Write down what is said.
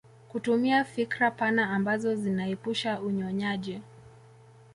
Kutumia fikra pana ambazo zinaepusha unyonyaji